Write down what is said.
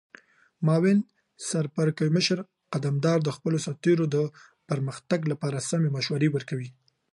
معاون سرپرکمشر قدمدار د خپلو سرتیرو د پرمختګ لپاره سمې مشورې ورکوي.